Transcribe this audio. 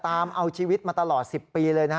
ตามเอาชีวิตมาตลอด๑๐ปีเลยนะฮะ